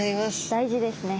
大事ですね。